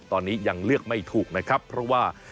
ตอนนี้ยังเลือกไม่ถูกนะครับ